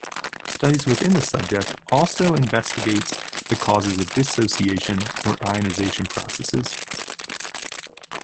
Studies within the subject also investigates the causes of dissociation or ionization processes.